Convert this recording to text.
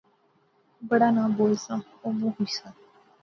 بڑا ناں بول سا او بہوں خوش سا